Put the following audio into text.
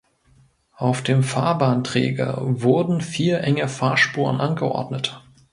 Auf dem Fahrbahnträger wurden vier enge Fahrspuren angeordnet.